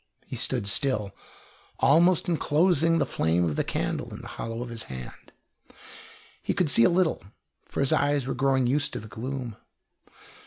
He stood still, almost enclosing the flame of the candle in the hollow of his hand. He could see a little, for his eyes were growing used to the gloom.